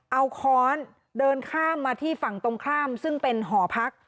เอาค้อนเดินข้ามมาที่ฝั่งตรงข้ามซึ่งเป็นหอพัก